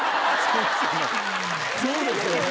そうですよね。